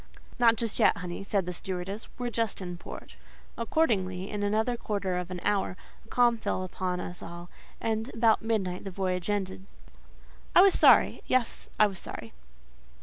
"Not just yet, honey," said the stewardess. "We're just in port." Accordingly, in another quarter of an hour, a calm fell upon us all; and about midnight the voyage ended. I was sorry: yes, I was sorry.